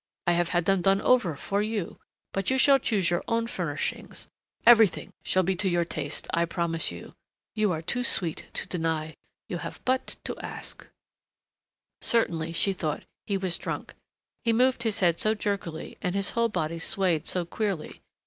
I have had them done over for you, but you shall choose your own furnishings everything shall be to your taste, I promise you. You are too sweet to deny. You have but to ask " Certainly, she thought, he was drunk. He moved his head so jerkily and his whole body swayed so queerly.